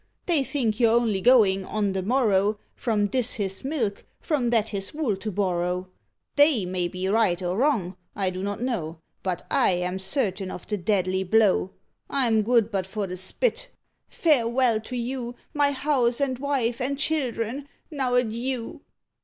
They think you're only going, on the morrow, From this his milk, from that his wool to borrow: They may be right or wrong, I do not know; But I am certain of the deadly blow: I'm good but for the spit. Farewell to you, My house, and wife, and children! now, adieu."